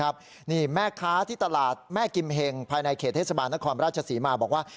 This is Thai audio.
ราชสีมานะครับนี่แม่ค้าที่ตลาดแม่กิมเห็งภายในเขตเทศบาลนครราชสีมาบอกว่า